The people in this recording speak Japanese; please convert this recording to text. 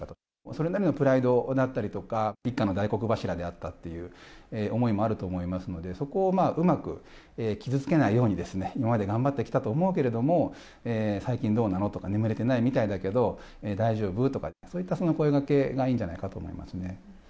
それなりのプライドだったりとか、一家の大黒柱であったっていう思いもあると思いますので、そこをうまく傷つけないように、今まで頑張ってきたと思うけれども、最近どうなのとか、眠れてないみたいだけど、大丈夫？とか、そういった声がけがいいんじゃないかなと思いますね。